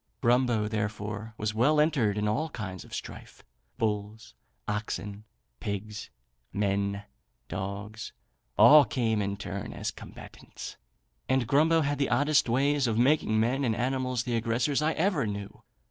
Grumbo, therefore, was well entered in all kinds of strife bulls, oxen, pigs, men, dogs, all came in turn as combatants; and Grumbo had the oddest ways of making men and animals the aggressors I ever knew.